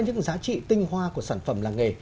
những giá trị tinh hoa của sản phẩm làng nghề